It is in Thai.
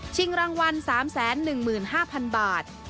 รางวัล๓๑๕๐๐๐บาท